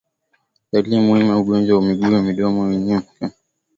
Dalili muhimu ya ugonjwa wa miguu na midomo ni mnyama kutokwa malengelenge